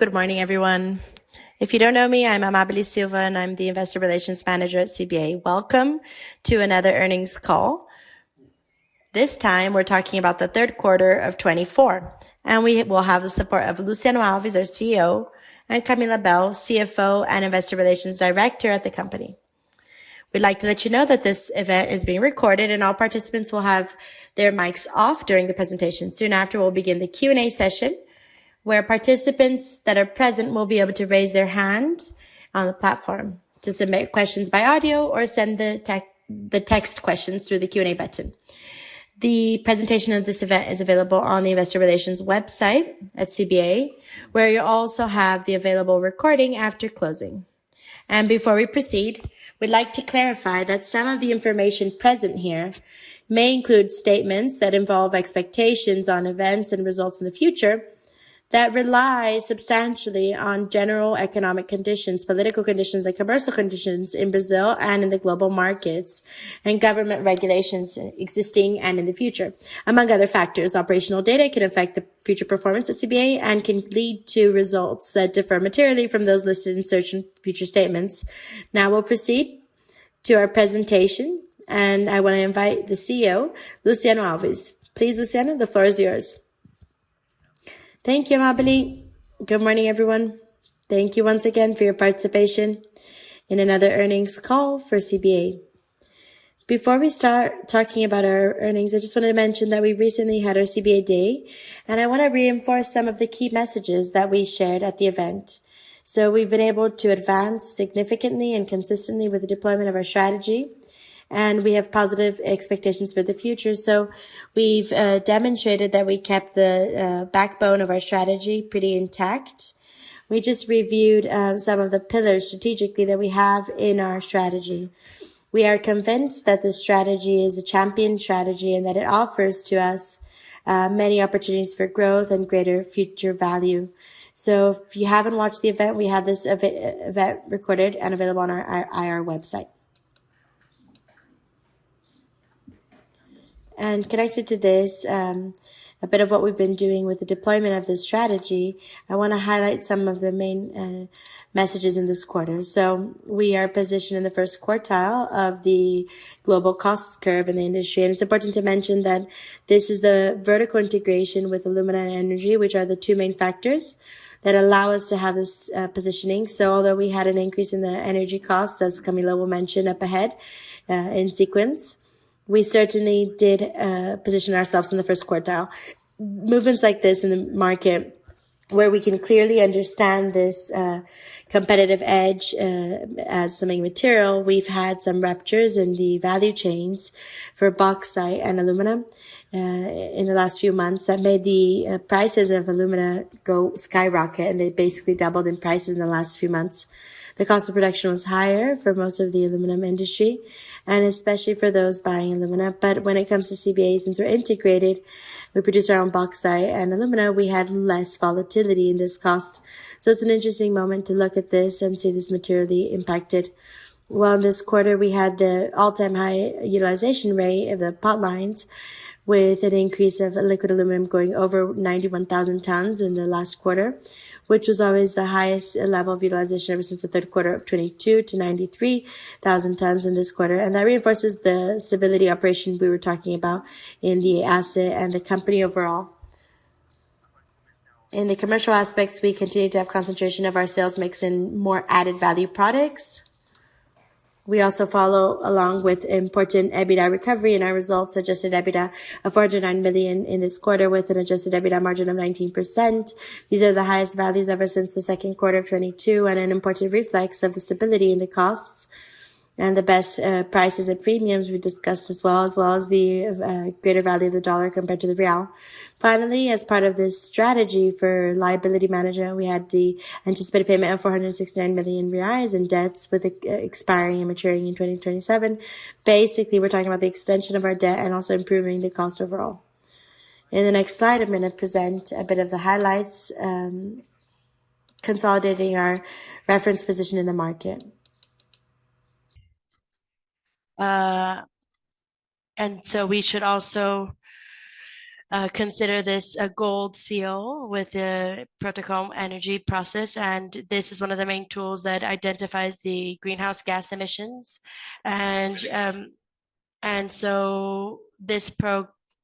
Good morning, everyone. If you don't know me, I'm Amábile Silva, and I'm the Investor Relations Manager at CBA. Welcome to another earnings call. This time, we're talking about the third quarter of 2024, and we will have the support of Luciano Alves, our CEO, and Camila Abel, CFO and Investor Relations Director at the company. We'd like to let you know that this event is being recorded, and all participants will have their mics off during the presentation. Soon after, we'll begin the Q&A session, where participants that are present will be able to raise their hand on the platform to submit questions by audio or send the text questions through the Q&A button. The presentation of this event is available on the Investor Relations website at CBA, where you'll also have the available recording after closing. Before we proceed, we'd like to clarify that some of the information present here may include statements that involve expectations on events and results in the future that rely substantially on general economic conditions, political conditions, and commercial conditions in Brazil and in the global markets, and government regulations existing and in the future. Among other factors, operational data can affect the future performance at CBA and can lead to results that differ materially from those listed in certain future statements. Now we'll proceed to our presentation, and I want to invite the CEO, Luciano Alves. Please, Luciano, the floor is yours. Thank you, Amábeli. Good morning, everyone. Thank you once again for your participation in another earnings call for CBA. Before we start talking about our earnings, I just wanted to mention that we recently had our CBA Day, and I want to reinforce some of the key messages that we shared at the event. So we've been able to advance significantly and consistently with the deployment of our strategy, and we have positive expectations for the future. So we've demonstrated that we kept the backbone of our strategy pretty intact. We just reviewed some of the pillars strategically that we have in our strategy. We are convinced that this strategy is a champion strategy and that it offers to us many opportunities for growth and greater future value. So if you haven't watched the event, we have this event recorded and available on our IR website. Connected to this, a bit of what we've been doing with the deployment of this strategy, I want to highlight some of the main messages in this quarter. We are positioned in the first quartile of the global cost curve in the industry, and it's important to mention that this is the vertical integration with aluminum and energy, which are the two main factors that allow us to have this positioning. Although we had an increase in the energy costs, as Camila will mention up ahead in sequence, we certainly did position ourselves in the first quartile. Movements like this in the market, where we can clearly understand this competitive edge as something material, we've had some ruptures in the value chains for bauxite and aluminum in the last few months that made the prices of aluminum go skyrocket, and they basically doubled in prices in the last few months. The cost of production was higher for most of the aluminum industry, and especially for those buying aluminum. But when it comes to CBA, since we're integrated, we produce our own bauxite and aluminum, we had less volatility in this cost. So it's an interesting moment to look at this and see this materially impacted. In this quarter, we had the all-time high utilization rate of the pipelines, with an increase of liquid aluminum going over 91,000 tons in the last quarter, which was always the highest level of utilization ever since the third quarter of 2022 to 93,000 tons in this quarter. That reinforces the stability operation we were talking about in the asset and the company overall. In the commercial aspects, we continue to have concentration of our sales mix in more added value products. We also follow along with important EBITDA recovery, and our results suggested EBITDA of $409 million in this quarter, with an Adjusted EBITDA margin of 19%. These are the highest values ever since the second quarter of 2022 and an important reflection of the stability in the costs and the best prices and premiums we discussed as well, as well as the greater value of the dollar compared to the real. Finally, as part of this strategy for liability management, we had the anticipated payment of 469 million reais in debts, with expiring and maturing in 2027. Basically, we're talking about the extension of our debt and also improving the cost overall. In the next slide, I'm going to present a bit of the highlights, consolidating our reference position in the market. And so we should also consider this a gold seal with the GHG Protocol, and this is one of the main tools that identifies the greenhouse gas emissions. This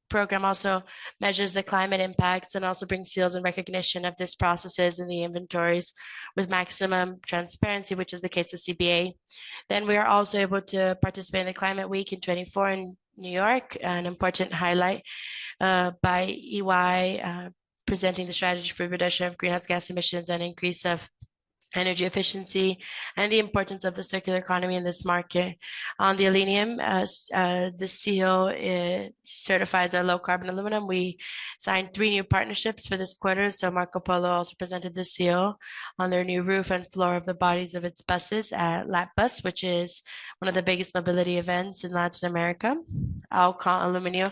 program also measures the climate impacts and also brings seals and recognition of these processes in the inventories with maximum transparency, which is the case of CBA. We are also able to participate in the Climate Week in 2024 in New York, an important highlight by EY presenting the strategy for reduction of greenhouse gas emissions and increase of energy efficiency and the importance of the circular economy in this market. On the Alennium, the seal certifies our low carbon aluminum. We signed three new partnerships for this quarter. Marcopolo also presented the seal on their new roof and floor of the bodies of its buses at Lat.Bus, which is one of the biggest mobility events in Latin America. Alcon Alumínio,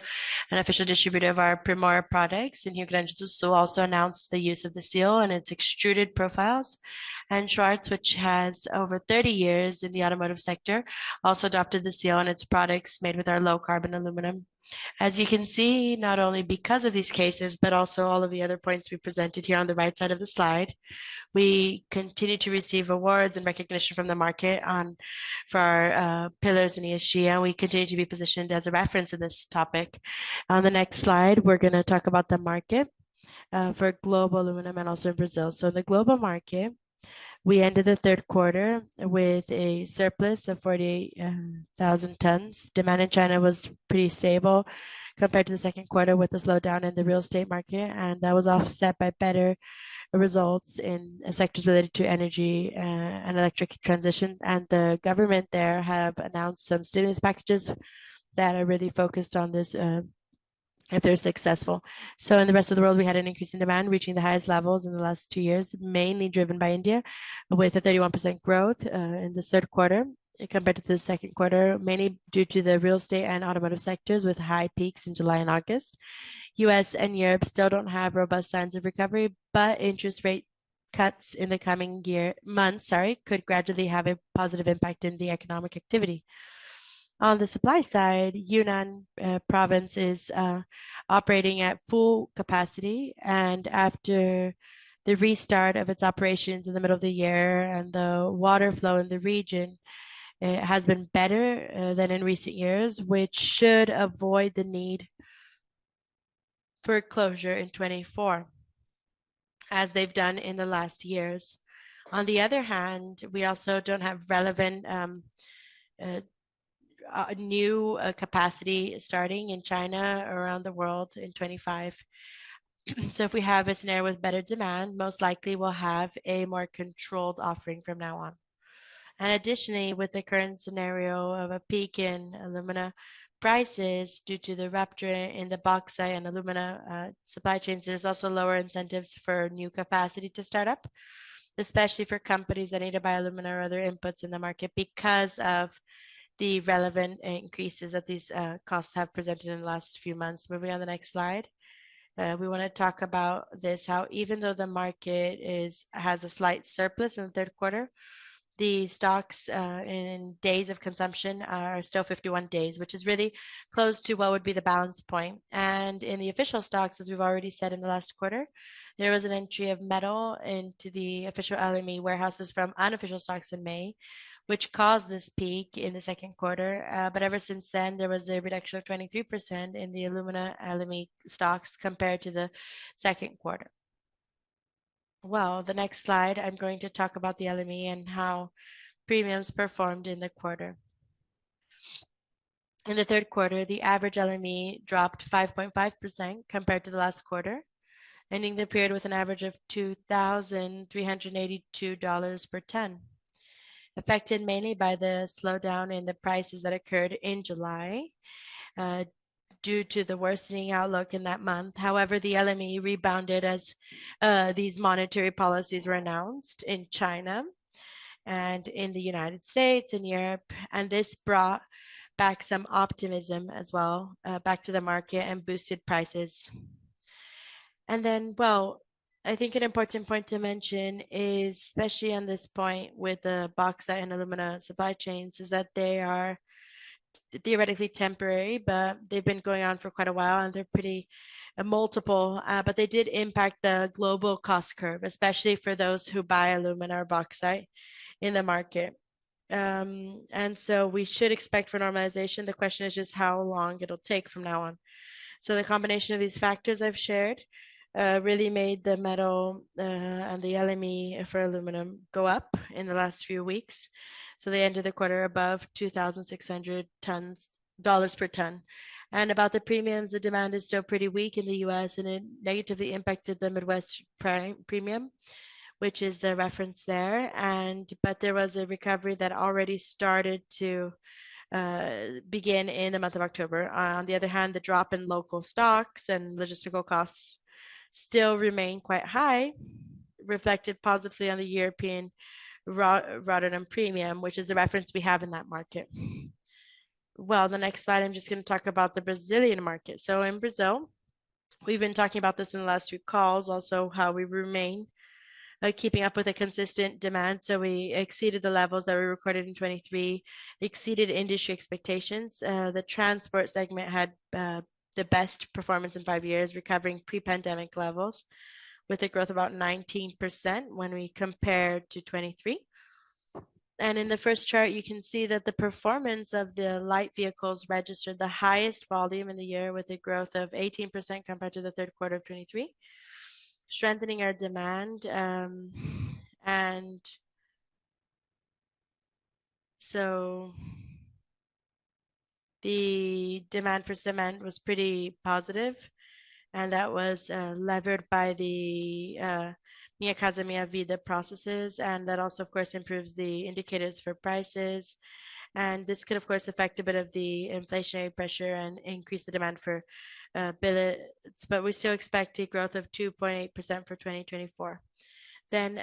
an official distributor of our Primor products in Rio Grande do Sul, also announced the use of the seal and its extruded profiles. Schulz, which has over 30 years in the automotive sector, also adopted the seal and its products made with our low-carbon aluminum. As you can see, not only because of these cases, but also all of the other points we presented here on the right side of the slide, we continue to receive awards and recognition from the market for our pillars and ESG, and we continue to be positioned as a reference in this topic. On the next slide, we're going to talk about the market for global aluminum and also in Brazil, so in the global market, we ended the third quarter with a surplus of 48,000 tons. Demand in China was pretty stable compared to the second quarter, with a slowdown in the real estate market, and that was offset by better results in sectors related to energy and electric transition, and the government there has announced some stimulus packages that are really focused on this if they're successful, so in the rest of the world, we had an increase in demand reaching the highest levels in the last two years, mainly driven by India, with a 31% growth in this third quarter compared to the second quarter, mainly due to the real estate and automotive sectors with high peaks in July and August. U.S. and Europe still don't have robust signs of recovery, but interest rate cuts in the coming months could gradually have a positive impact in the economic activity. On the supply side, Yunnan Province is operating at full capacity, and after the restart of its operations in the middle of the year and the water flow in the region, it has been better than in recent years, which should avoid the need for closure in 2024, as they've done in the last years. On the other hand, we also don't have relevant new capacity starting in China around the world in 2025. So if we have a scenario with better demand, most likely we'll have a more controlled offering from now on. Additionally, with the current scenario of a peak in aluminum prices due to the rupture in the bauxite and aluminum supply chains, there's also lower incentives for new capacity to start up, especially for companies that need to buy aluminum or other inputs in the market because of the relevant increases that these costs have presented in the last few months. Moving on to the next slide, we want to talk about this, how even though the market has a slight surplus in the third quarter, the stocks in days of consumption are still 51 days, which is really close to what would be the balance point. In the official stocks, as we've already said in the last quarter, there was an entry of metal into the official LME warehouses from unofficial stocks in May, which caused this peak in the second quarter. Ever since then, there was a reduction of 23% in the aluminum LME stocks compared to the second quarter. The next slide, I'm going to talk about the LME and how premiums performed in the quarter. In the third quarter, the average LME dropped 5.5% compared to the last quarter, ending the period with an average of $2,382 per ton, affected mainly by the slowdown in the prices that occurred in July due to the worsening outlook in that month. However, the LME rebounded as these monetary policies were announced in China and in the United States and Europe, and this brought back some optimism as well back to the market and boosted prices. And then, well, I think an important point to mention is, especially on this point with the bauxite and aluminum supply chains, is that they are theoretically temporary, but they've been going on for quite a while, and they're pretty multiple. But they did impact the global cost curve, especially for those who buy aluminum or bauxite in the market. And so we should expect for normalization. The question is just how long it'll take from now on. So the combination of these factors I've shared really made the metal and the LME for aluminum go up in the last few weeks. So they ended the quarter above $2,600 per ton. And about the premiums, the demand is still pretty weak in the U.S., and it negatively impacted the Midwest premium, which is the reference there. There was a recovery that already started to begin in the month of October. On the other hand, the drop in local stocks and logistical costs still remain quite high. Reflected positively on the European Rotterdam premium, which is the reference we have in that market. The next slide, I'm just going to talk about the Brazilian market. In Brazil, we've been talking about this in the last few calls, also how we remain keeping up with a consistent demand. We exceeded the levels that we recorded in 2023, exceeded industry expectations. The transport segment had the best performance in five years, recovering pre-pandemic levels with a growth of about 19% when we compared to 2023. In the first chart, you can see that the performance of the light vehicles registered the highest volume in the year, with a growth of 18% compared to the third quarter of 2023, strengthening our demand. The demand for cement was pretty positive, and that was levered by the Minha Casa, Minha Vida program, and that also, of course, improves the indicators for prices. This could, of course, affect a bit of the inflationary pressure and increase the demand for billets, but we still expect a growth of 2.8% for 2024.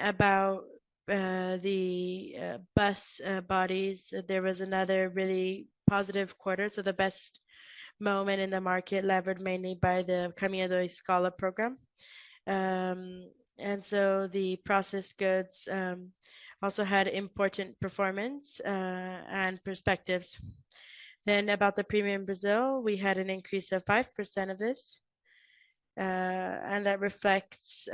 About the bus bodies, there was another really positive quarter. The best moment in the market, levered mainly by the Caminho da Escola program. The processed goods also had important performance and perspectives. Then, about the premium in Brazil, we had an increase of 5% of this, and that reflects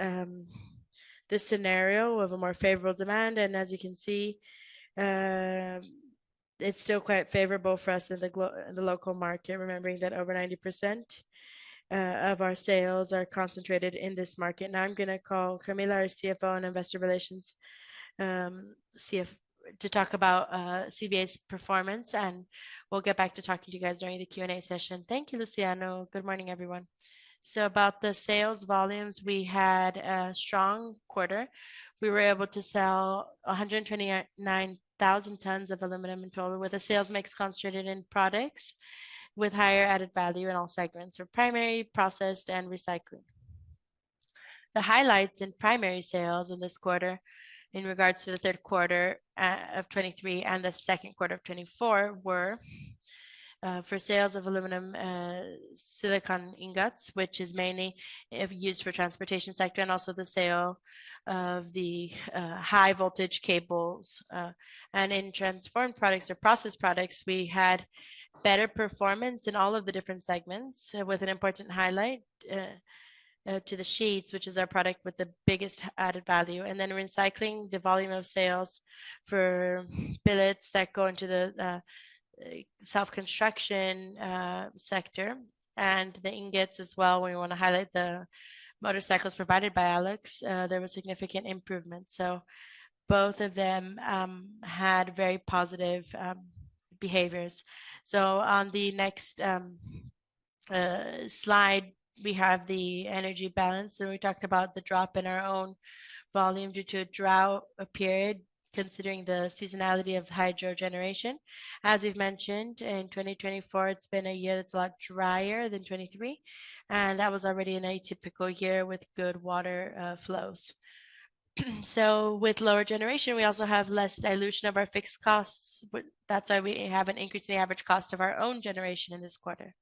the scenario of a more favorable demand. As you can see, it's still quite favorable for us in the local market, remembering that over 90% of our sales are concentrated in this market. Now I'm going to call Camila, our CFO and Investor Relations, to talk about CBA's performance, and we'll get back to talking to you guys during the Q&A session. Thank you, Luciano. Good morning, everyone. So about the sales volumes, we had a strong quarter. We were able to sell 129,000 tons of aluminum and toll with a sales mix concentrated in products with higher added value in all segments of primary, processed, and recycling. The highlights in primary sales in this quarter in regards to the third quarter of 2023 and the second quarter of 2024 were for sales of aluminum silicon ingots, which is mainly used for the transportation sector, and also the sale of the high-voltage cables, and in transformed products or processed products, we had better performance in all of the different segments, with an important highlight to the sheets, which is our product with the biggest added value, and then recycling, the volume of sales for billets that go into the self-construction sector and the ingots as well. We want to highlight the motorcycles provided by alloys. There was significant improvement, so both of them had very positive behaviors. On the next slide, we have the energy balance, so we talked about the drop in our own volume due to a drought period, considering the seasonality of hydro generation. As we've mentioned, in 2024, it's been a year that's a lot drier than 2023, and that was already an atypical year with good water flows. So with lower generation, we also have less dilution of our fixed costs. That's why we have an increase in the average cost of our own generation in this quarter.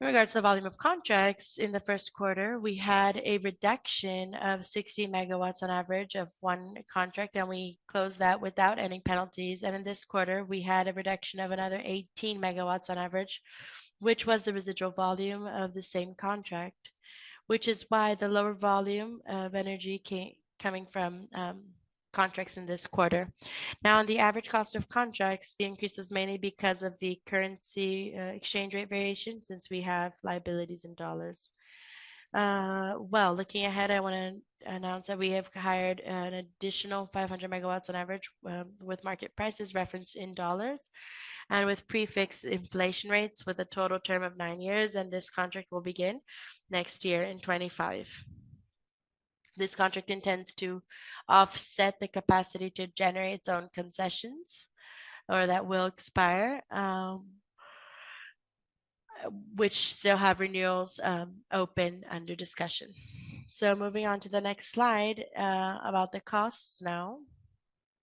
In regards to the volume of contracts, in the first quarter, we had a reduction of 60 MW on average of one contract, and we closed that without any penalties. And in this quarter, we had a reduction of another 18 MW on average, which was the residual volume of the same contract, which is why the lower volume of energy came from contracts in this quarter. Now, on the average cost of contracts, the increase was mainly because of the currency exchange rate variation since we have liabilities in dollars. Looking ahead, I want to announce that we have hired an additional 500 MW on average with market prices referenced in dollars and with prefixed inflation rates with a total term of nine years, and this contract will begin next year in 2025. This contract intends to offset the capacity to generate its own concessions or that will expire, which still have renewals open under discussion. Moving on to the next slide about the costs now.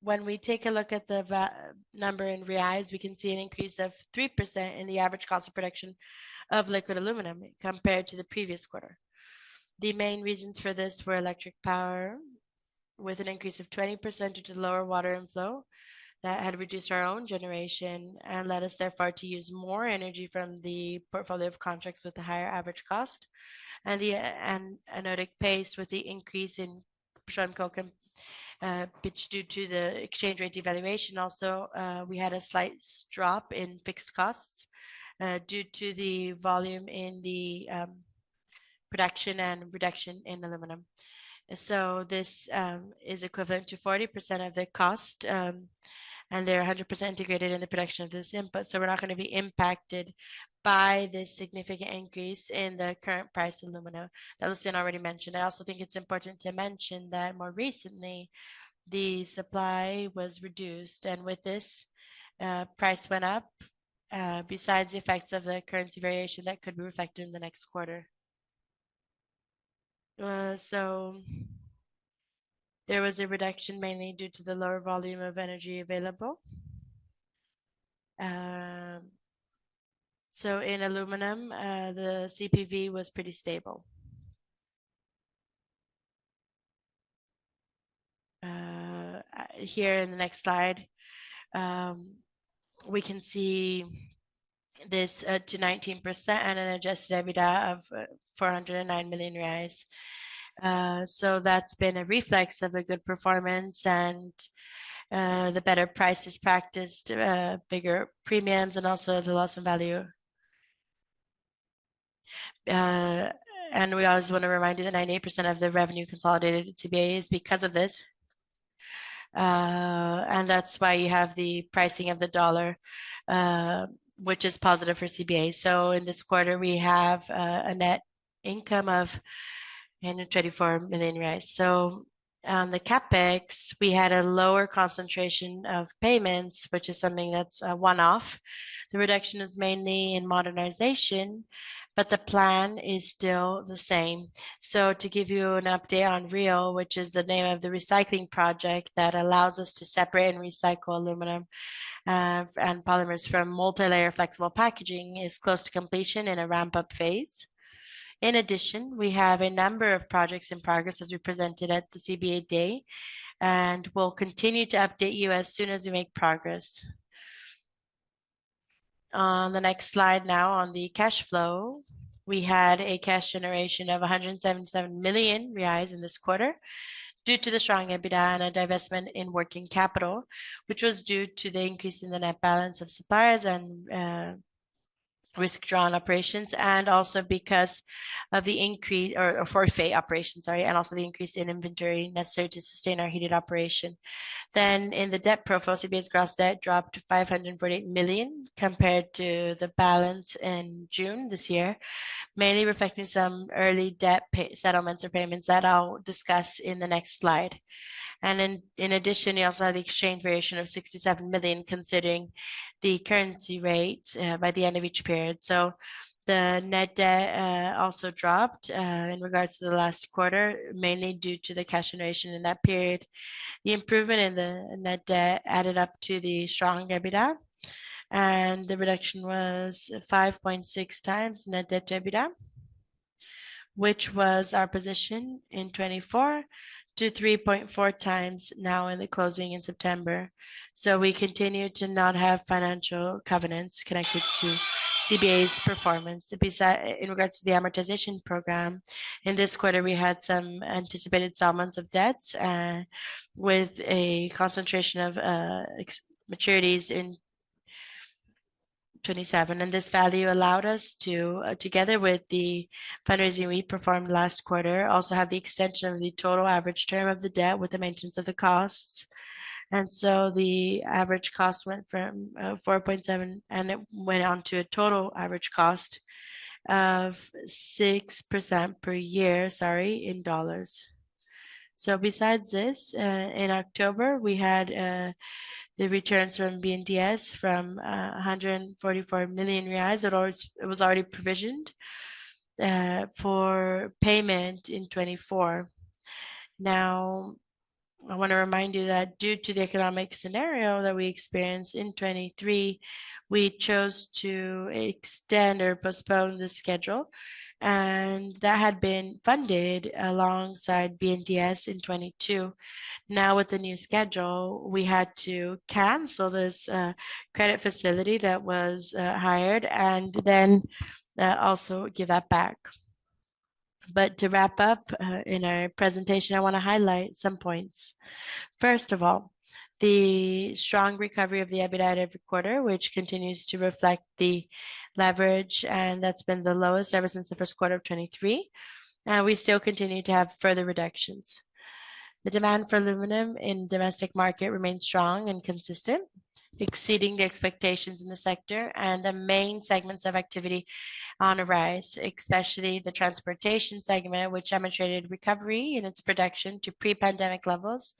When we take a look at the number in reais, we can see an increase of 3% in the average cost of production of liquid aluminum compared to the previous quarter. The main reasons for this were electric power with an increase of 20% due to lower water inflow that had reduced our own generation and led us therefore to use more energy from the portfolio of contracts with the higher average cost and the anode paste with the increase in petcoke and pitch due to the exchange rate devaluation. Also, we had a slight drop in fixed costs due to the volume in the production and reduction in aluminum. This is equivalent to 40% of the cost, and they're 100% integrated in the production of this input. We're not going to be impacted by this significant increase in the current price of aluminum that Luciano already mentioned. I also think it's important to mention that more recently, the supply was reduced, and with this, price went up besides the effects of the currency variation that could be reflected in the next quarter. So there was a reduction mainly due to the lower volume of energy available. So in aluminum, the CPV was pretty stable. Here in the next slide, we can see this to 19% and an Adjusted EBITDA of 409 million reais. So that's been a reflection of the good performance and the better prices practiced, bigger premiums, and also the loss of value. And we always want to remind you that 98% of the revenue consolidated in CBA is because of this. And that's why you have the pricing of the dollar, which is positive for CBA. So in this quarter, we have a net income of 124 million. So on the CapEx, we had a lower concentration of payments, which is something that's a one-off. The reduction is mainly in modernization, but the plan is still the same. So to give you an update on REAL, which is the name of the recycling project that allows us to separate and recycle aluminum and polymers from multi-layer flexible packaging, is close to completion in a ramp-up phase. In addition, we have a number of projects in progress as we presented at the CBA Day, and we'll continue to update you as soon as we make progress. On the next slide now, on the cash flow, we had a cash generation of 177 million reais in this quarter due to the strong EBITDA and a divestment in working capital, which was due to the increase in the net balance of suppliers and forfaiting operations, and also the increase in inventory necessary to sustain our heated operation. In the debt profile, CBA's gross debt dropped to 548 million compared to the balance in June this year, mainly reflecting some early debt settlements or payments that I'll discuss in the next slide. In addition, you also have the exchange variation of 67 million considering the currency rates by the end of each period. The net debt also dropped in regards to the last quarter, mainly due to the cash generation in that period. The improvement in the net debt added up to the strong EBITDA, and the reduction was 5.6 times net debt to EBITDA, which was our position in 2024 to 3.4 times now in the closing in September. So we continue to not have financial covenants connected to CBA's performance. In regards to the amortization program, in this quarter, we had some anticipated settlements of debts with a concentration of maturities in 2027. And this value allowed us to, together with the fundraising we performed last quarter, also have the extension of the total average term of the debt with the maintenance of the costs. And so the average cost went from 4.7, and it went on to a total average cost of 6% per year, sorry, in dollars. So besides this, in October, we had the returns from BNDES from 144 million reais. It was already provisioned for payment in 2024. Now, I want to remind you that due to the economic scenario that we experienced in 2023, we chose to extend or postpone the schedule, and that had been funded alongside BNDES in 2022. Now, with the new schedule, we had to cancel this credit facility that was hired and then also give that back. But to wrap up in our presentation, I want to highlight some points. First of all, the strong recovery of the EBITDA every quarter, which continues to reflect the leverage, and that's been the lowest ever since the first quarter of 2023. We still continue to have further reductions. The demand for aluminum in the domestic market remains strong and consistent, exceeding the expectations in the sector and the main segments of activity on a rise, especially the transportation segment, which demonstrated recovery in its production to pre-pandemic levels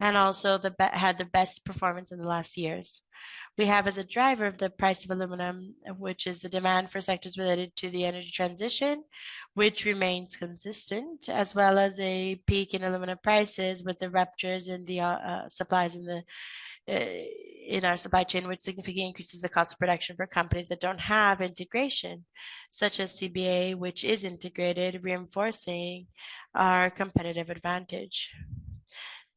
and also had the best performance in the last years. We have, as a driver of the price of aluminum, which is the demand for sectors related to the energy transition, which remains consistent, as well as a peak in aluminum prices with the ruptures in the supplies in our supply chain, which significantly increases the cost of production for companies that don't have integration, such as CBA, which is integrated, reinforcing our competitive advantage.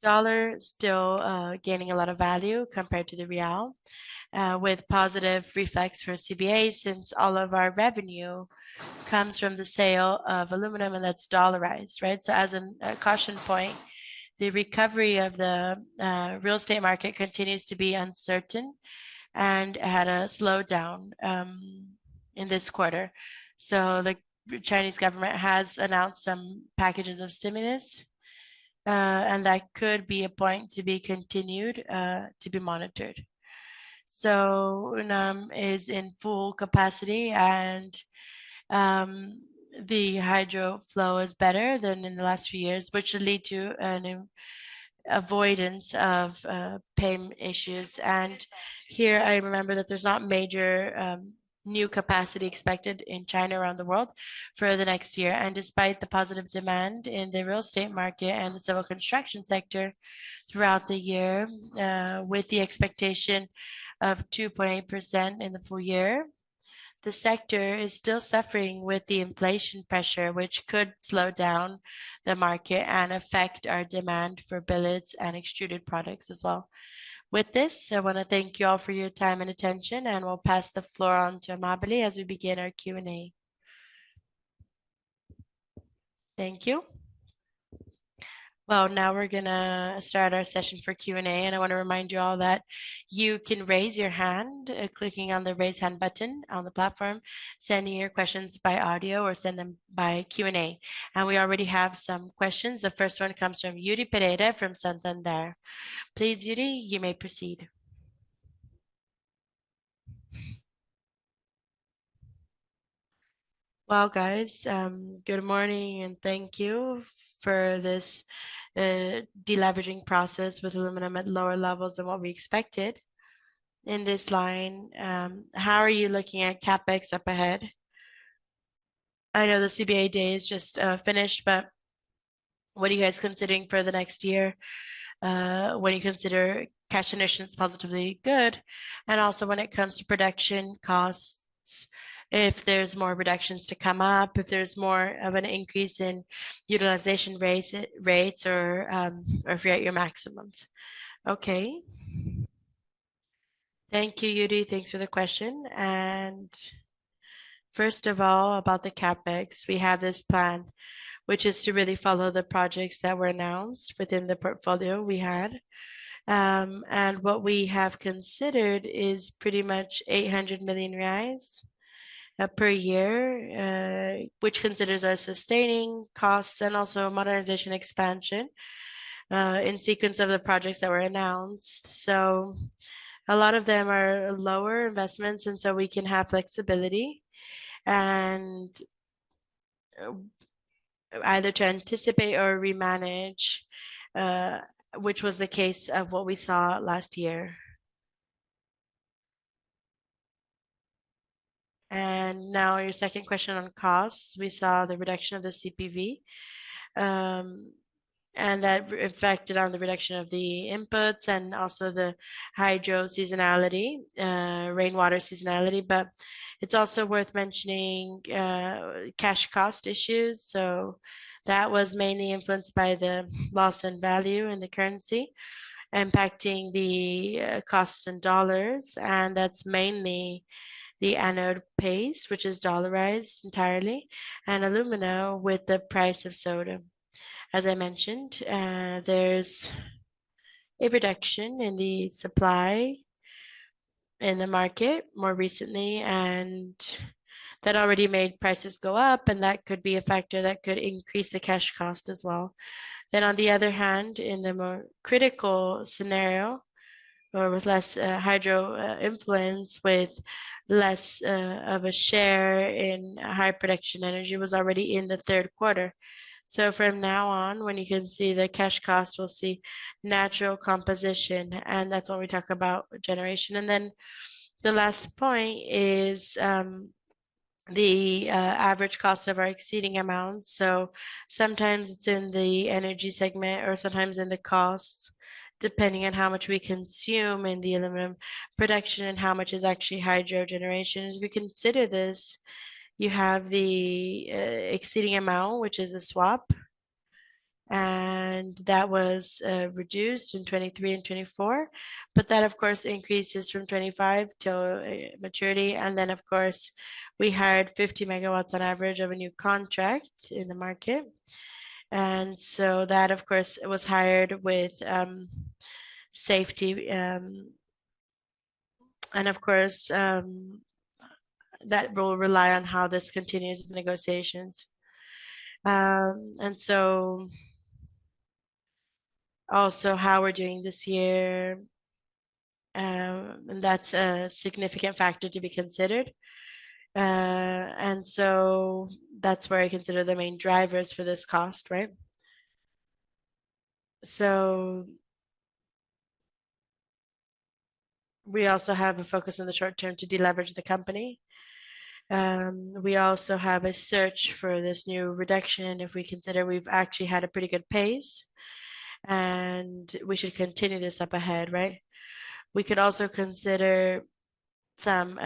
The dollar is still gaining a lot of value compared to the real, with positive effects for CBA since all of our revenue comes from the sale of aluminum, and that's dollarized, right? So as a caution point, the recovery of the real estate market continues to be uncertain and had a slowdown in this quarter. So the Chinese government has announced some packages of stimulus, and that could be a point to be continued to be monitored. So aluminum is in full capacity, and the hydro flow is better than in the last few years, which will lead to an avoidance of payment issues. And here, I remember that there's not major new capacity expected in China around the world for the next year. And despite the positive demand in the real estate market and the civil construction sector throughout the year, with the expectation of 2.8% in the full year, the sector is still suffering with the inflation pressure, which could slow down the market and affect our demand for billets and extruded products as well. With this, I want to thank you all for your time and attention, and we'll pass the floor on to Amabile as we begin our Q&A. Thank you. Well, now we're going to start our session for Q&A, and I want to remind you all that you can raise your hand clicking on the raise hand button on the platform, sending your questions by audio, or send them by Q&A. And we already have some questions. The first one comes from Yuri Pereira from Santander. Please, Yuri, you may proceed. Well, guys, good morning, and thank you for this deleveraging process with aluminum at lower levels than what we expected. In this line, how are you looking at CapEx up ahead? I know the CBA day is just finished, but what are you guys considering for the next year? What do you consider cash initiatives positively good? And also, when it comes to production costs, if there's more reductions to come up, if there's more of an increase in utilization rates or if you're at your maximums? Okay. Thank you, Yuri. Thanks for the question. And first of all, about the CapEx, we have this plan, which is to really follow the projects that were announced within the portfolio we had. And what we have considered is pretty much 800 million reais per year, which considers our sustaining costs and also modernization expansion in sequence of the projects that were announced. So a lot of them are lower investments, and so we can have flexibility and either to anticipate or remanage, which was the case of what we saw last year. And now your second question on costs. We saw the reduction of the CPV, and that affected on the reduction of the inputs and also the hydro seasonality, rainwater seasonality, but it's also worth mentioning cash cost issues, so that was mainly influenced by the loss in value in the currency impacting the costs in dollars, and that's mainly the anode paste, which is dollarized entirely, and aluminum with the price of soda. As I mentioned, there's a reduction in the supply in the market more recently, and that already made prices go up, and that could be a factor that could increase the cash cost as well, then on the other hand, in the more critical scenario or with less hydro influence, with less of a share in high production energy was already in the third quarter. So from now on, when you can see the cash cost, we'll see natural composition, and that's when we talk about generation. And then the last point is the average cost of our exceeding amounts. So sometimes it's in the energy segment or sometimes in the costs, depending on how much we consume in the aluminum production and how much is actually hydro generation. As we consider this, you have the exceeding amount, which is a swap, and that was reduced in 2023 and 2024, but that, of course, increases from 2025 till maturity. And then, of course, we hired 50 MW on average of a new contract in the market. And so that, of course, was hired with safety. And, of course, that will rely on how this continues in negotiations. And so also how we're doing this year, and that's a significant factor to be considered. And so that's where I consider the main drivers for this cost, right? So we also have a focus in the short term to deleverage the company. We also have a search for this new reduction if we consider we've actually had a pretty good pace, and we should continue this up ahead, right? We could also consider some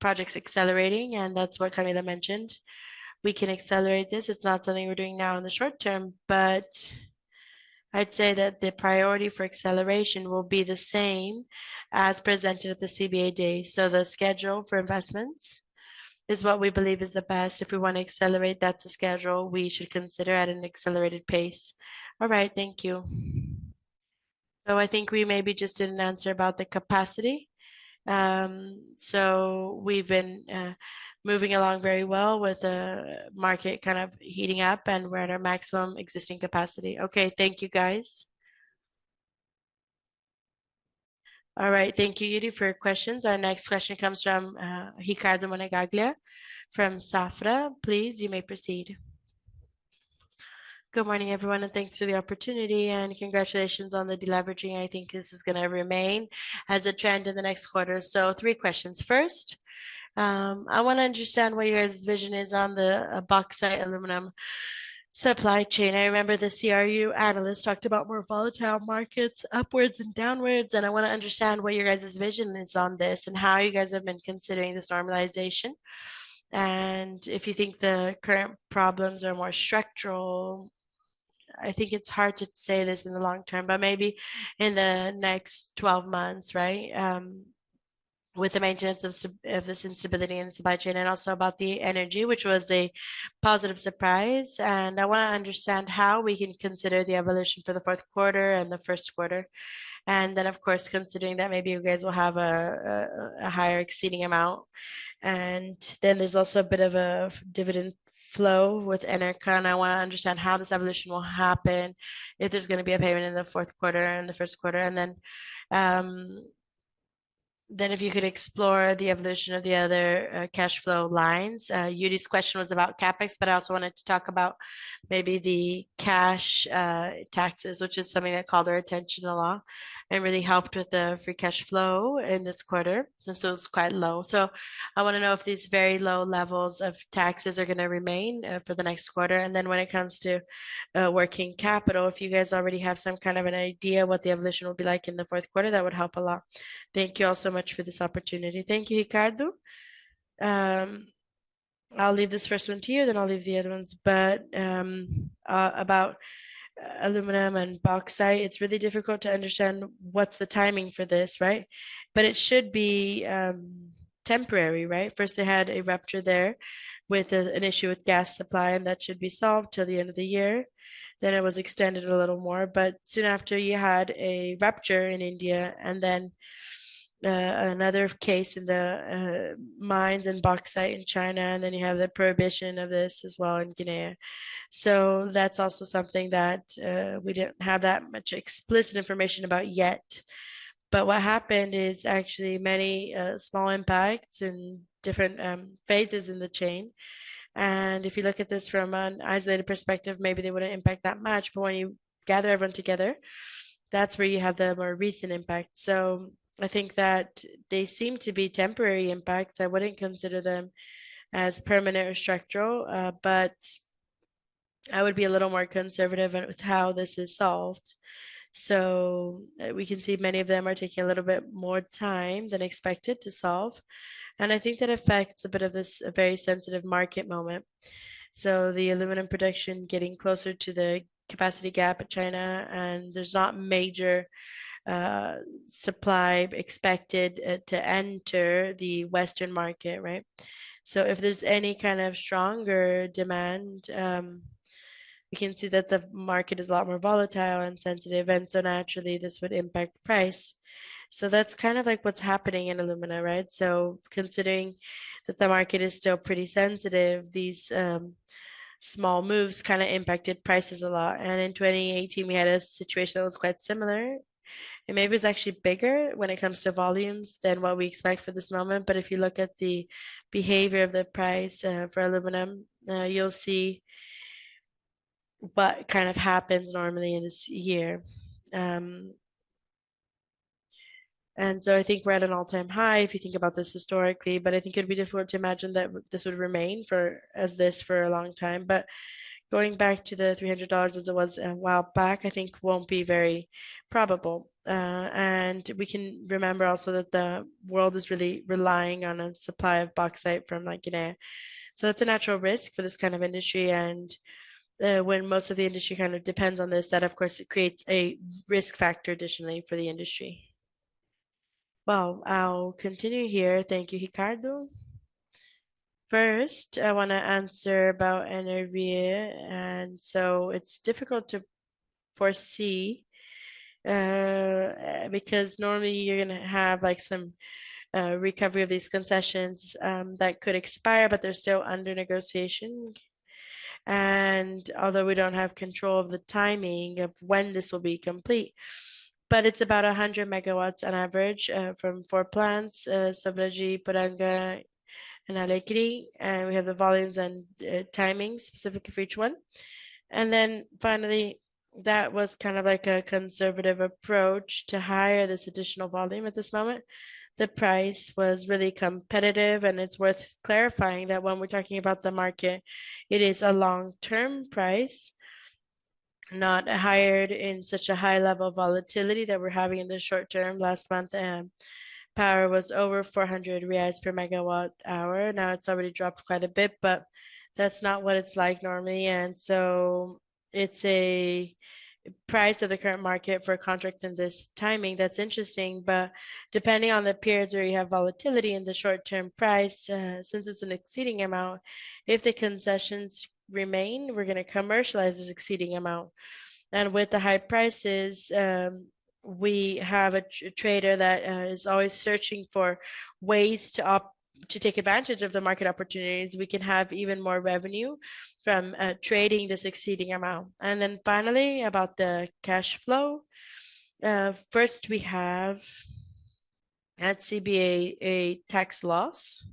projects accelerating, and that's what Camila mentioned. We can accelerate this. It's not something we're doing now in the short term, but I'd say that the priority for acceleration will be the same as presented at the CBA Day. So the schedule for investments is what we believe is the best. If we want to accelerate, that's the schedule we should consider at an accelerated pace. All right, thank you. So I think we maybe just didn't answer about the capacity. So we've been moving along very well with the market kind of heating up, and we're at our maximum existing capacity. Okay, thank you, guys. All right, thank you, Yuri, for your questions. Our next question comes from Ricardo Monegaglia from Safra. Please, you may proceed. Good morning, everyone, and thanks for the opportunity, and congratulations on the deleveraging. I think this is going to remain as a trend in the next quarter. So three questions. First, I want to understand what your guys' vision is on the bauxite aluminum supply chain. I remember the CRU analyst talked about more volatile markets, upwards and downwards, and I want to understand what your guys' vision is on this and how you guys have been considering this normalization. If you think the current problems are more structural, I think it's hard to say this in the long term, but maybe in the next 12 months, right, with the maintenance of this instability in the supply chain and also about the energy, which was a positive surprise. And I want to understand how we can consider the evolution for the fourth quarter and the first quarter. And then, of course, considering that maybe you guys will have a higher exceeding amount. And then there's also a bit of a dividend flow with Enercan, and I want to understand how this evolution will happen, if there's going to be a payment in the fourth quarter and the first quarter. And then if you could explore the evolution of the other cash flow lines. Yuri's question was about CapEx, but I also wanted to talk about maybe the cash taxes, which is something that called our attention a lot and really helped with the free cash flow in this quarter, and so it was quite low, so I want to know if these very low levels of taxes are going to remain for the next quarter. And then, when it comes to working capital, if you guys already have some kind of an idea what the evolution will be like in the fourth quarter, that would help a lot. Thank you all so much for this opportunity. Thank you, Ricado. I'll leave this first one to you, then I'll leave the other ones, but about aluminum and bauxite, it's really difficult to understand what's the timing for this, right, but it should be temporary, right? First, they had a rupture there with an issue with gas supply, and that should be solved till the end of the year, then it was extended a little more, but soon after you had a rupture in India and then another case in the mines and bauxite in China, and then you have the prohibition of this as well in Guinea, so that's also something that we didn't have that much explicit information about yet, but what happened is actually many small impacts in different phases in the chain, and if you look at this from an isolated perspective, maybe they wouldn't impact that much, but when you gather everyone together, that's where you have the more recent impact, so I think that they seem to be temporary impacts. I wouldn't consider them as permanent or structural, but I would be a little more conservative with how this is solved. So we can see many of them are taking a little bit more time than expected to solve. And I think that affects a bit of this very sensitive market moment. So the aluminum production getting closer to the capacity gap in China, and there's not major supply expected to enter the Western market, right? So if there's any kind of stronger demand, we can see that the market is a lot more volatile and sensitive, and so naturally, this would impact price. So that's kind of like what's happening in aluminum, right? So considering that the market is still pretty sensitive, these small moves kind of impacted prices a lot. And in 2018, we had a situation that was quite similar. It may be was actually bigger when it comes to volumes than what we expect for this moment. But if you look at the behavior of the price for aluminum, you'll see what kind of happens normally in this year. And so I think we're at an all-time high if you think about this historically, but I think it would be difficult to imagine that this would remain as this for a long time. But going back to the $300 as it was a while back, I think won't be very probable. And we can remember also that the world is really relying on a supply of bauxite from Guinea. So that's a natural risk for this kind of industry. And when most of the industry kind of depends on this, that, of course, creates a risk factor additionally for the industry. I'll continue here. Thank you, Ricado. First, I want to answer about Energy. And so it's difficult to foresee because normally you're going to have some recovery of these concessions that could expire, but they're still under negotiation. And although we don't have control of the timing of when this will be complete, but it's about 100 MW on average from four plants: Salto, Iporanga, and Alecrim. And we have the volumes and timing specifically for each one. And then finally, that was kind of like a conservative approach to hire this additional volume at this moment. The price was really competitive, and it's worth clarifying that when we're talking about the market, it is a long-term price, not hired in such a high-level volatility that we're having in the short term. Last month, power was over 400 reais per MWh. Now it's already dropped quite a bit, but that's not what it's like normally. It's a price of the current market for a contract in this timing. That's interesting, but depending on the periods where you have volatility in the short-term price, since it's an exceeding amount, if the concessions remain, we're going to commercialize this exceeding amount. And with the high prices, we have a trader that is always searching for ways to take advantage of the market opportunities. We can have even more revenue from trading this exceeding amount. And then finally, about the cash flow. First, we have at CBA a tax loss,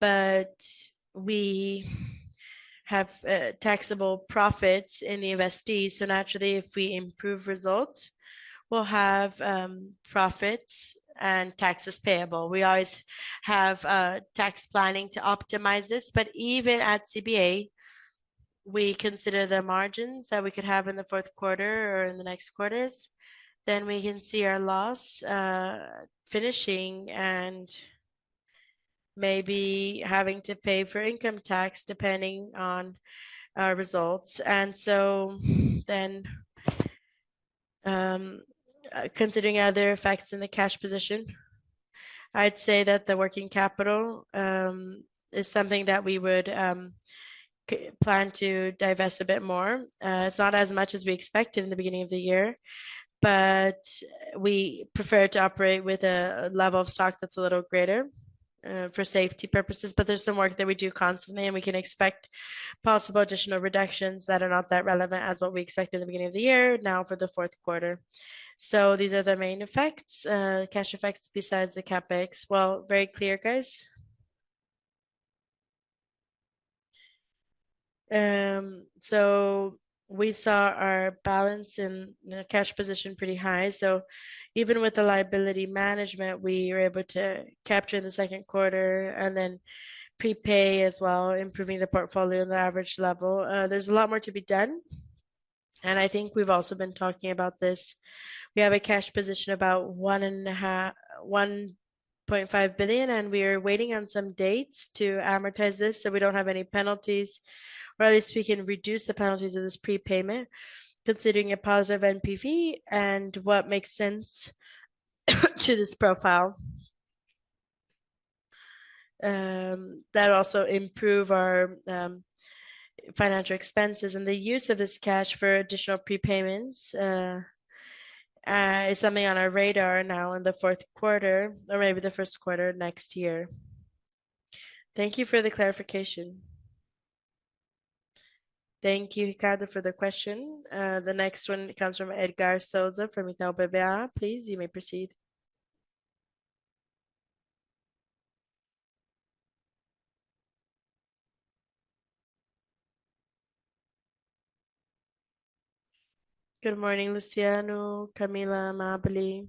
but we have taxable profits in the investees. So naturally, if we improve results, we'll have profits and taxes payable. We always have tax planning to optimize this, but even at CBA, we consider the margins that we could have in the fourth quarter or in the next quarters. Then we can see our loss finishing and maybe having to pay for income tax depending on our results. And so then considering other effects in the cash position, I'd say that the working capital is something that we would plan to divest a bit more. It's not as much as we expected in the beginning of the year, but we prefer to operate with a level of stock that's a little greater for safety purposes. But there's some work that we do constantly, and we can expect possible additional reductions that are not that relevant as what we expected in the beginning of the year now for the fourth quarter. So these are the main effects, cash effects besides the CapEx. Well, very clear, guys. So we saw our balance in the cash position pretty high. So even with the liability management, we were able to capture the second quarter and then prepay as well, improving the portfolio in the average level. There's a lot more to be done. And I think we've also been talking about this. We have a cash position about 1.5 billion, and we are waiting on some dates to amortize this so we don't have any penalties. Or at least we can reduce the penalties of this prepayment, considering a positive NPV and what makes sense to this profile. That also improves our financial expenses, and the use of this cash for additional prepayments is something on our radar now in the fourth quarter or maybe the first quarter next year. Thank you for the clarification. Thank you, Ricado, for the question. The next one comes from Edgard de Souza from Itaú BBA. Please, you may proceed. Good morning, Luciano, Camila, Amábeli.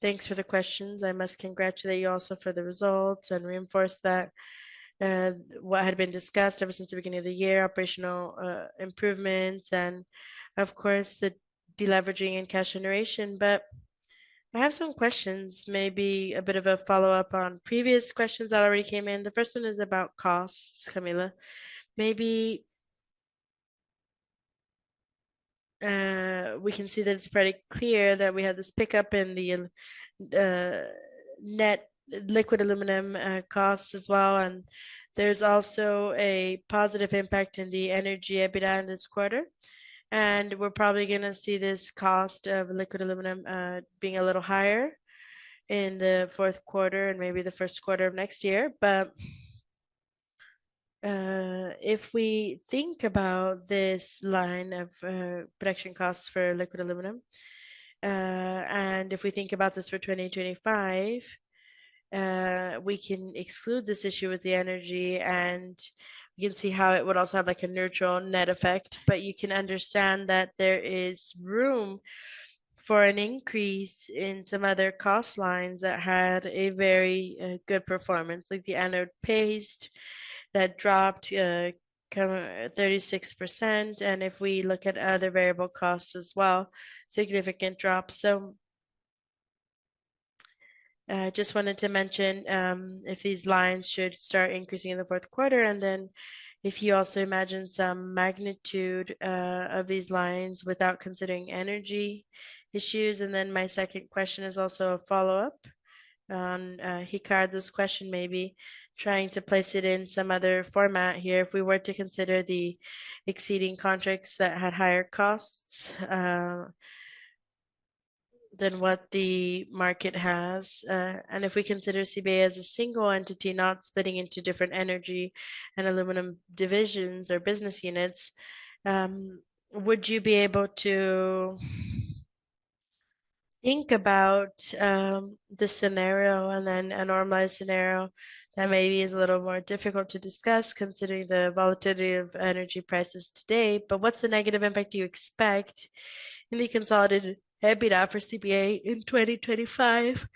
Thanks for the questions. I must congratulate you also for the results and reinforce that what had been discussed ever since the beginning of the year, operational improvements, and of course, the deleveraging and cash generation, but I have some questions, maybe a bit of a follow-up on previous questions that already came in. The first one is about costs, Camila. Maybe we can see that it's pretty clear that we have this pickup in the net liquid aluminum costs as well, and there's also a positive impact in the energy EBITDA in this quarter, and we're probably going to see this cost of liquid aluminum being a little higher in the fourth quarter and maybe the first quarter of next year. But if we think about this line of production costs for liquid aluminum, and if we think about this for 2025, we can exclude this issue with the energy, and you can see how it would also have a neutral net effect. But you can understand that there is room for an increase in some other cost lines that had a very good performance, like the anode paste that dropped 36%. And if we look at other variable costs as well, significant drop. So I just wanted to mention if these lines should start increasing in the fourth quarter. And then if you also imagine some magnitude of these lines without considering energy issues. And then my second question is also a follow-up on Ricado's question, maybe trying to place it in some other format here. If we were to consider the exceeding contracts that had higher costs than what the market has, and if we consider CBA as a single entity, not splitting into different energy and aluminum divisions or business units, would you be able to think about the scenario and then a normalized scenario that maybe is a little more difficult to discuss considering the volatility of energy prices today? But what's the negative impact you expect in the consolidated EBITDA for CBA in 2025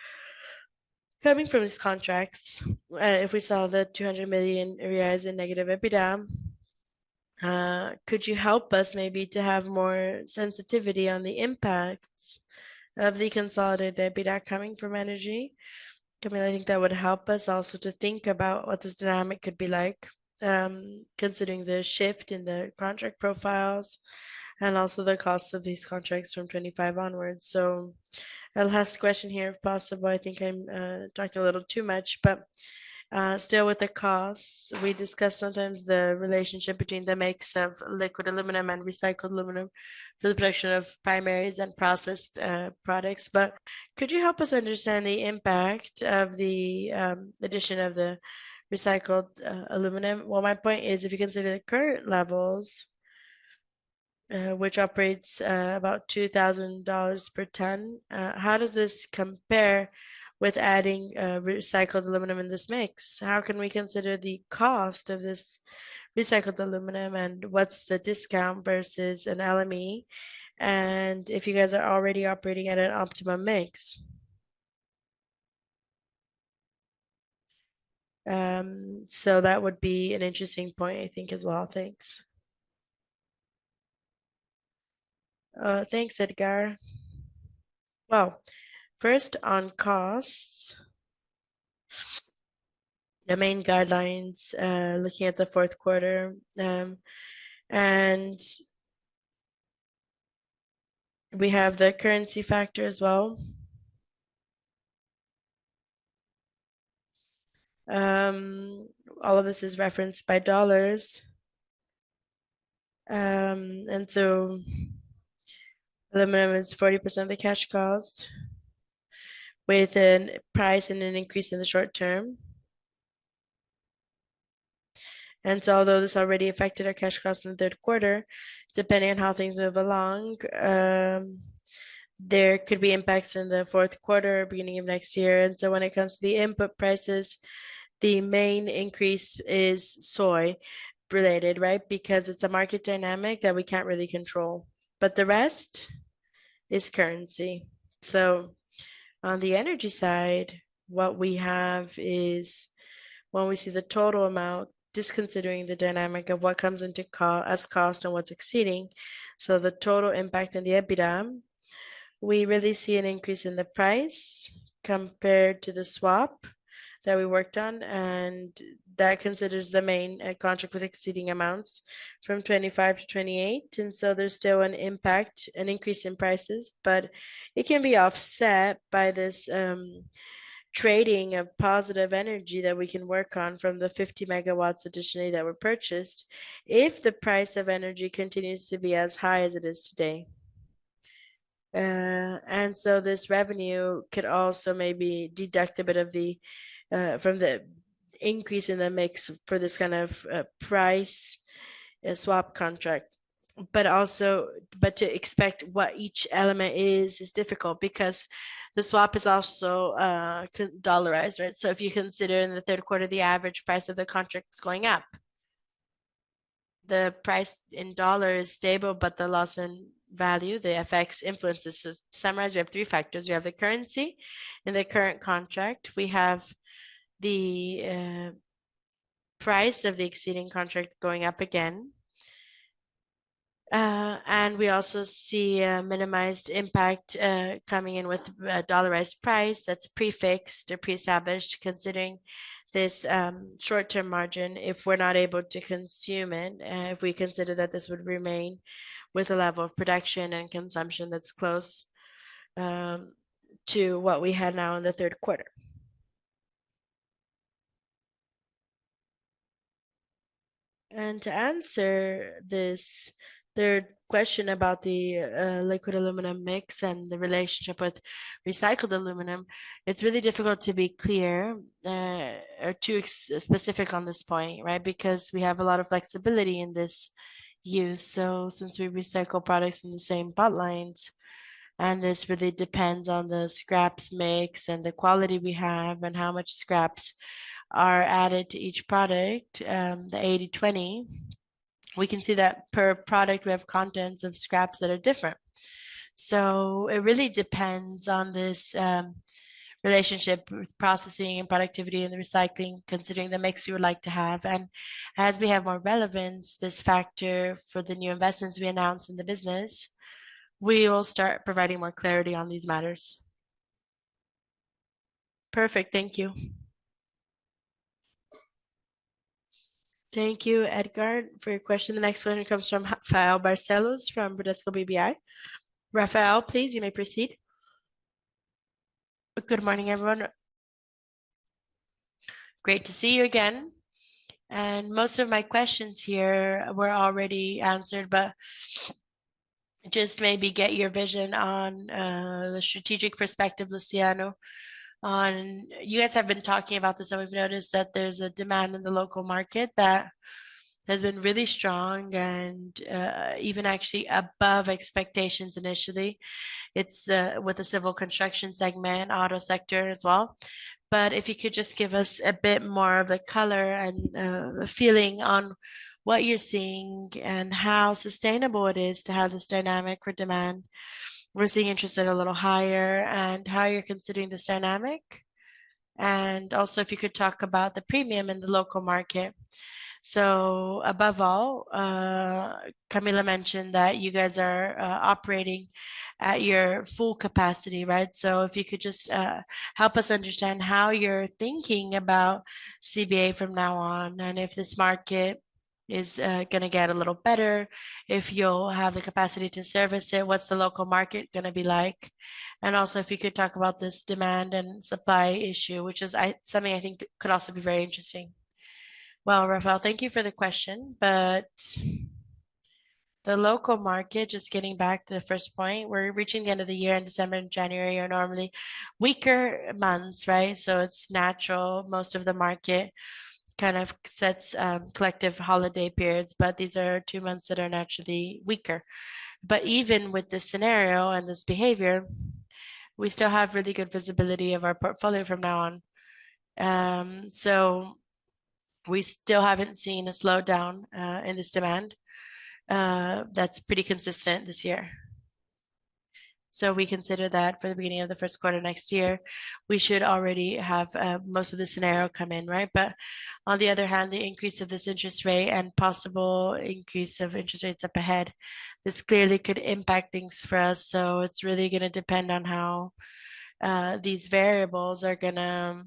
coming from these contracts if we saw the 200 million in negative EBITDA? Could you help us maybe to have more sensitivity on the impacts of the consolidated EBITDA coming from energy? Camila, I think that would help us also to think about what this dynamic could be like considering the shift in the contract profiles and also the costs of these contracts from 25 onwards. So the last question here, if possible. I think I'm talking a little too much, but still with the costs, we discuss sometimes the relationship between the mix of liquid aluminum and recycled aluminum for the production of primaries and processed products. But could you help us understand the impact of the addition of the recycled aluminum? Well, my point is if you consider the current levels, which operates about $2,000 per ton, how does this compare with adding recycled aluminum in this mix? How can we consider the cost of this recycled aluminum and what's the discount versus an LME? And if you guys are already operating at an optimum mix. So that would be an interesting point, I think, as well. Thanks. Thanks, Edgar. Well, first on costs, the main guidelines looking at the fourth quarter, and we have the currency factor as well. All of this is referenced by dollars. And so aluminum is 40% of the cash cost with a price and an increase in the short term. And so although this already affected our cash cost in the third quarter, depending on how things move along, there could be impacts in the fourth quarter, beginning of next year. And so when it comes to the input prices, the main increase is soda related, right? Because it's a market dynamic that we can't really control. But the rest is currency. So on the energy side, what we have is when we see the total amount, just considering the dynamic of what comes into as cost and what's exceeding. So the total impact in the EBITDA, we really see an increase in the price compared to the swap that we worked on. And that considers the main contract with exceeding amounts from 25-28. And so there's still an impact, an increase in prices, but it can be offset by this trading of positive energy that we can work on from the 50 MW additionally that were purchased if the price of energy continues to be as high as it is today. And so this revenue could also maybe deduct a bit of the from the increase in the mix for this kind of price swap contract. But to expect what each element is is difficult because the swap is also dollarized, right? So if you consider in the third quarter, the average price of the contract is going up. The price in dollar is stable, but the loss in value, the effects influences. To summarize, we have three factors. We have the currency in the current contract. We have the price of the existing contract going up again, and we also see a minimal impact coming in with a dollarized price that's prefixed or pre-established considering this short-term margin if we're not able to consume it, if we consider that this would remain with a level of production and consumption that's close to what we had now in the third quarter, and to answer this third question about the liquid aluminum mix and the relationship with recycled aluminum, it's really difficult to be clear or too specific on this point, right? Because we have a lot of flexibility in this use. Since we recycle products in the same pipelines, and this really depends on the scrap mix and the quality we have and how much scrap is added to each product, the 80-20, we can see that per product we have contents of scrap that are different. So it really depends on this relationship with processing and productivity and the recycling considering the mix you would like to have. And as we have more relevance, this factor for the new investments we announced in the business, we will start providing more clarity on these matters. Perfect. Thank you. Thank you, Edgar, for your question. The next question comes from Rafael Barcellos from Bradesco BBI. Rafael, please, you may proceed. Good morning, everyone. Great to see you again. And most of my questions here were already answered, but just maybe get your vision on the strategic perspective, Luciano. You guys have been talking about this, and we've noticed that there's a demand in the local market that has been really strong and even actually above expectations initially. It's with the civil construction segment, auto sector as well. But if you could just give us a bit more of the color and the feeling on what you're seeing and how sustainable it is to have this dynamic for demand. We're seeing interest at a little higher and how you're considering this dynamic. And also, if you could talk about the premium in the local market. So above all, Camila mentioned that you guys are operating at your full capacity, right? So if you could just help us understand how you're thinking about CBA from now on and if this market is going to get a little better, if you'll have the capacity to service it, what's the local market going to be like? And also, if you could talk about this demand and supply issue, which is something I think could also be very interesting. Well, Rafael, thank you for the question. But the local market, just getting back to the first point, we're reaching the end of the year in December and January are normally weaker months, right? So it's natural. Most of the market kind of sets collective holiday periods, but these are two months that are naturally weaker. But even with this scenario and this behavior, we still have really good visibility of our portfolio from now on. So we still haven't seen a slowdown in this demand that's pretty consistent this year. So we consider that for the beginning of the first quarter next year, we should already have most of the scenario come in, right? But on the other hand, the increase of this interest rate and possible increase of interest rates up ahead, this clearly could impact things for us. So it's really going to depend on how these variables are going to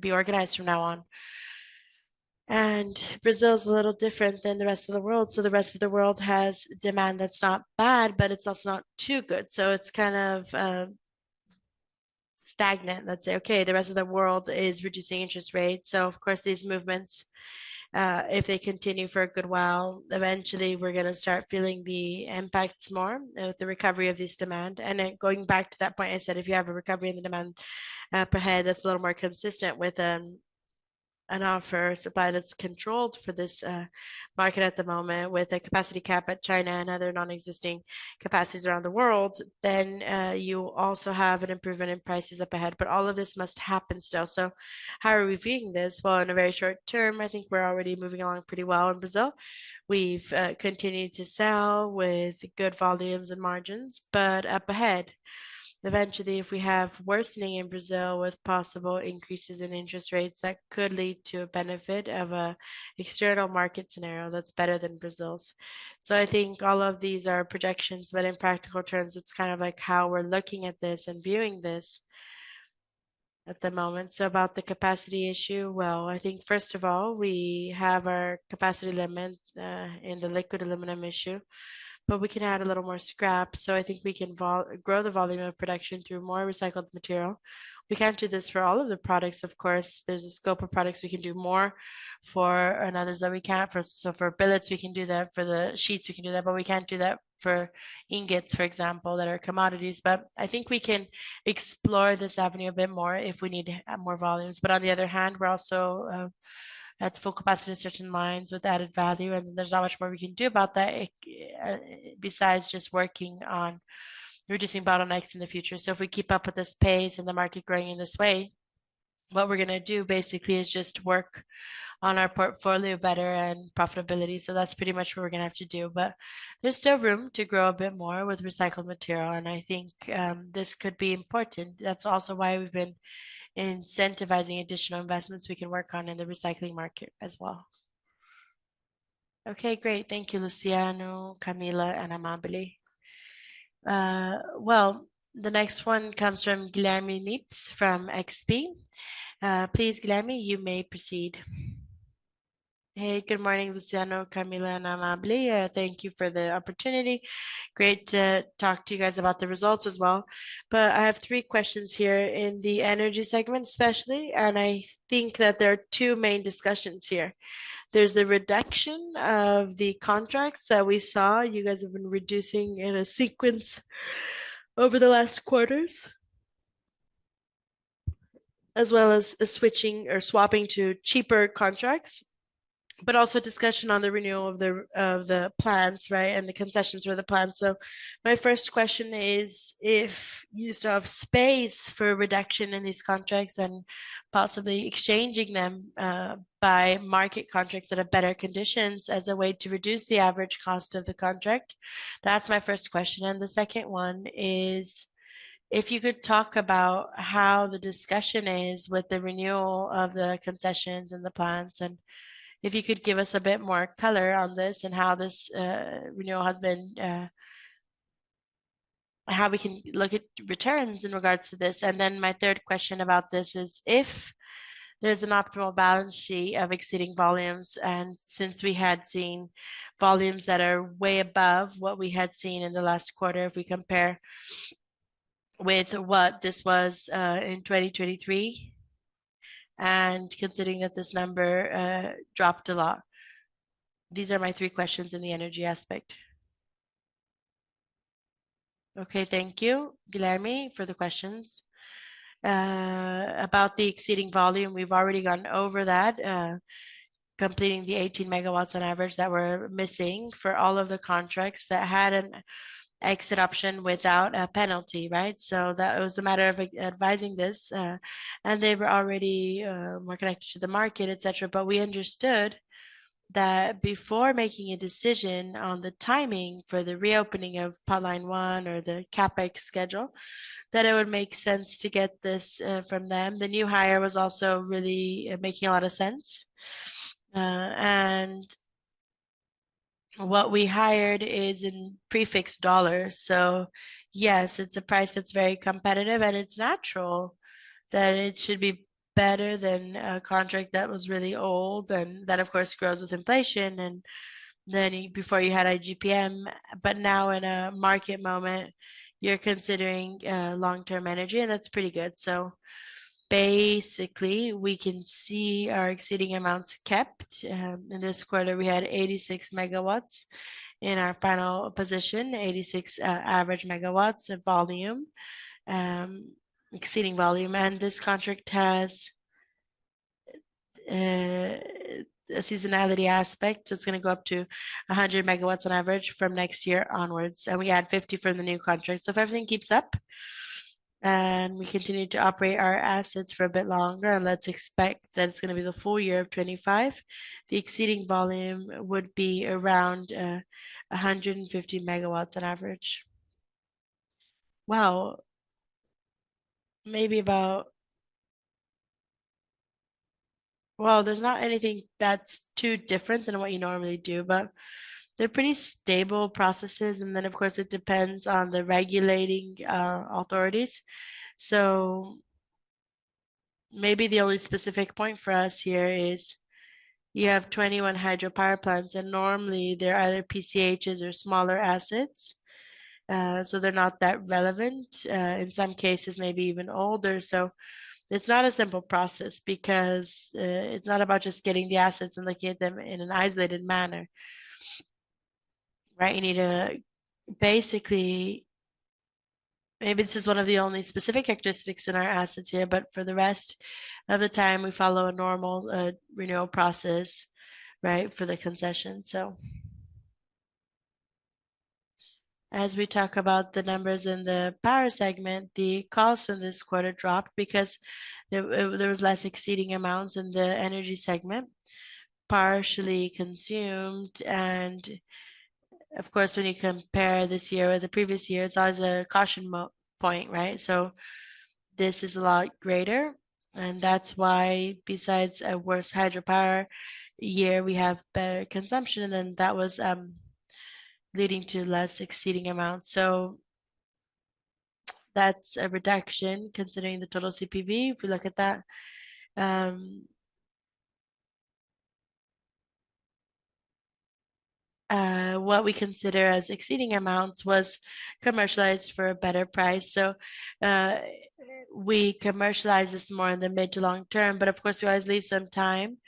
be organized from now on. And Brazil is a little different than the rest of the world. So the rest of the world has demand that's not bad, but it's also not too good. So it's kind of stagnant. Let's say, okay, the rest of the world is reducing interest rates. Of course, these movements, if they continue for a good while, eventually we're going to start feeling the impacts more with the recovery of this demand. Going back to that point, I said, if you have a recovery in the demand up ahead, that's a little more consistent with an offer supply that's controlled for this market at the moment with a capacity cap at China and other non-existing capacities around the world, then you also have an improvement in prices up ahead. But all of this must happen still. How are we viewing this? Well, in a very short term, I think we're already moving along pretty well in Brazil. We've continued to sell with good volumes and margins. But up ahead, eventually, if we have worsening in Brazil with possible increases in interest rates that could lead to a benefit of an external market scenario that's better than Brazil's. So I think all of these are projections, but in practical terms, it's kind of like how we're looking at this and viewing this at the moment. So about the capacity issue, well, I think first of all, we have our capacity limit in the liquid aluminum issue, but we can add a little more scrap. So I think we can grow the volume of production through more recycled material. We can't do this for all of the products, of course. There's a scope of products we can do more for and others that we can't. So for billets, we can do that. For the sheets, we can do that. But we can't do that for ingots, for example, that are commodities. But I think we can explore this avenue a bit more if we need more volumes. But on the other hand, we're also at full capacity in certain lines with added value. And there's not much more we can do about that besides just working on reducing bottlenecks in the future. So if we keep up with this pace and the market growing in this way, what we're going to do basically is just work on our portfolio better and profitability. So that's pretty much what we're going to have to do. But there's still room to grow a bit more with recycled material. And I think this could be important. That's also why we've been incentivizing additional investments we can work on in the recycling market as well. Okay, great. Thank you, Luciano, Camila, and Amábeli. The next one comes from Guilherme Nippes from XP. Please, Guilherme, you may proceed. Hey, good morning, Luciano, Camila, and Amábeli. Thank you for the opportunity. Great to talk to you guys about the results as well. But I have three questions here in the energy segment, especially. And I think that there are two main discussions here. There's the reduction of the contracts that we saw. You guys have been reducing in a sequence over the last quarters, as well as switching or swapping to cheaper contracts, but also discussion on the renewal of the plans, right, and the concessions for the plans. So my first question is if you still have space for reduction in these contracts and possibly exchanging them by market contracts that have better conditions as a way to reduce the average cost of the contract. That's my first question. And the second one is if you could talk about how the discussion is with the renewal of the concessions and the plans, and if you could give us a bit more color on this, and how this renewal has been, how we can look at returns in regards to this. And then my third question about this is if there's an optimal balance sheet of exceeding volumes. And since we had seen volumes that are way above what we had seen in the last quarter, if we compare with what this was in 2023, and considering that this number dropped a lot, these are my three questions in the energy aspect. Okay, thank you, Guilherme, for the questions. About the exceeding volume, we've already gone over that, completing the 18 MW on average that were missing for all of the contracts that had an exit option without a penalty, right? So that was a matter of advising this. And they were already more connected to the market, etc. But we understood that before making a decision on the timing for the reopening of Potline 1 or the CapEx schedule, that it would make sense to get this from them. The new hire was also really making a lot of sense. And what we hired is in prefixed dollars. So yes, it's a price that's very competitive, and it's natural that it should be better than a contract that was really old and that, of course, grows with inflation. And then before you had IGP-M, but now in a market moment, you're considering long-term energy, and that's pretty good. So basically, we can see our exceeding amounts kept. In this quarter, we had 86 MW in our final position, 86 average megawatts of volume, exceeding volume. And this contract has a seasonality aspect. So it's going to go up to 100 MW on average from next year onwards. And we add 50 from the new contract. So if everything keeps up and we continue to operate our assets for a bit longer, and let's expect that it's going to be the full year of 2025, the exceeding volume would be around 150 MW on average. Well, maybe about, well, there's not anything that's too different than what you normally do, but they're pretty stable processes. And then, of course, it depends on the regulating authorities. So maybe the only specific point for us here is you have 21 hydropower plants, and normally they're either PCHs or smaller assets. So they're not that relevant in some cases, maybe even older. So it's not a simple process because it's not about just getting the assets and looking at them in an isolated manner, right? You need to basically, maybe this is one of the only specific characteristics in our assets here, but for the rest of the time, we follow a normal renewal process, right, for the concession. So as we talk about the numbers in the power segment, the costs from this quarter dropped because there was less exceeding amounts in the energy segment, partially consumed. And of course, when you compare this year with the previous year, it's always a caution point, right? So this is a lot greater. And that's why, besides a worse hydropower year, we have better consumption. And then that was leading to less exceeding amounts. So that's a reduction considering the total CPV. If we look at that, what we consider as exceeding amounts was commercialized for a better price. So we commercialize this more in the mid to long term, but of course, we always leave some time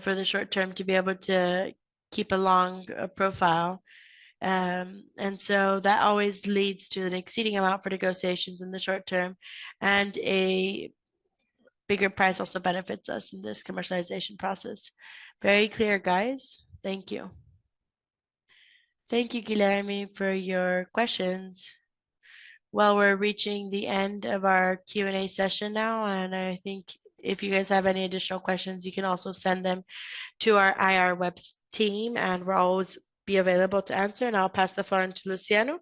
for the short term to be able to keep a long profile. And so that always leads to an exceeding amount for negotiations in the short term. And a bigger price also benefits us in this commercialization process. Very clear, guys. Thank you. Thank you, Guilherme, for your questions. Well, we're reaching the end of our Q&A session now. And I think if you guys have any additional questions, you can also send them to our IR web team, and we'll always be available to answer. And I'll pass the floor to Luciano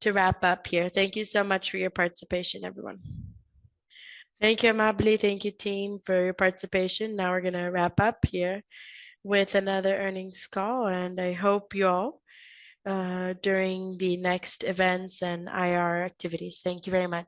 to wrap up here. Thank you so much for your participation, everyone. Thank you, Amábeli. Thank you, team, for your participation. Now we're going to wrap up here with another earnings call, and I hope you all during the next events and IR activities. Thank you very much.